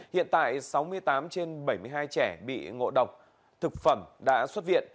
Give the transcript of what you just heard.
hiện tại sáu mươi tám trên bảy mươi hai trẻ bị ngộ độc thực phẩm đã xuất viện